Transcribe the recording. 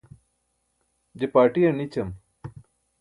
je parṭiyar nićam